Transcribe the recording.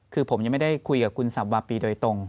คือผมยังไม่ได้คุยกับคุณสับวาปีโดยตรง